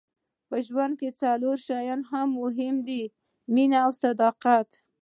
په ژوند کې څلور شیان مهم دي مینه او صداقت.